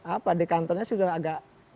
apa di kantornya sudah agak